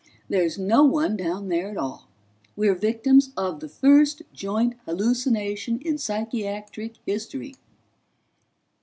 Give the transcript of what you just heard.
There's no one down there at all we're victims of the first joint hallucination in psychiatric history."